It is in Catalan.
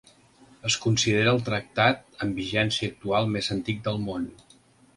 Es considera el tractat amb vigència actual més antic del món.